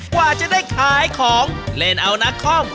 กว่าจะได้ขายของเล่นเอานักคอม